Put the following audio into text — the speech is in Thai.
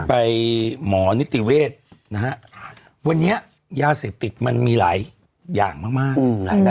ไปหมอนิติเวชนะฮะวันนี้ยาเสพติดมันมีหลายอย่างมากมากอืมหลายอย่าง